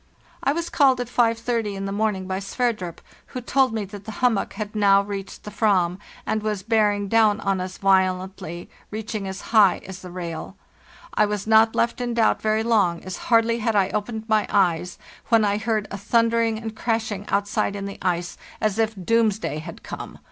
I was called at 5.30 in the morning by Sverdrup, who told me that the hummock had now reached the fram, and was bearing down on us violently, reaching as high as the rail. I was not left in doubt very long, as hardly had I opened my eyes when I heard a thunder ing and crashing outside in the ice, as if doomsday had 'Ljhar\iaer eee Sel! — THE NEW YEAR, 1805 55 come.